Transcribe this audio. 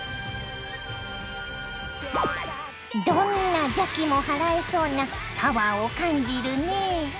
どんな邪気も払えそうなパワーを感じるね。